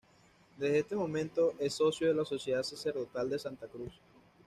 Desde este momento, es socio de la Sociedad Sacerdotal de la Santa Cruz.